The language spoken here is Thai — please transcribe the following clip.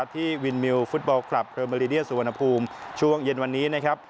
ที่วินมิวฟุตบอลคลับเพอร์เมริเดียสุวรรณภูมิช่วงเย็นวันนี้นะครับ